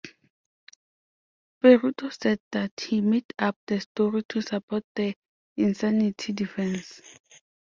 Peruto said that he made up the story to support the insanity defense.